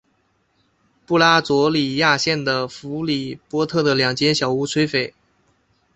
布拉佐里亚县的弗里波特的两间小屋摧毁。